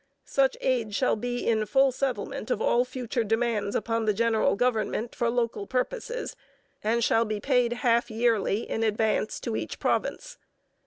Such aid shall be in full settlement of all future demands upon the general government for local purposes and shall be paid half yearly in advance to each province.